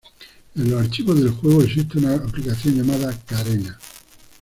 En los archivos del juego, existe una aplicación llamada "Carena".